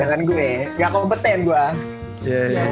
jangan gue gak mau betein gue